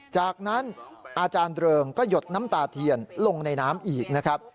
จากนั้นอาจารย์เริงก็หยดน้ำตาเทียนลงในน้ำอีกนะครับ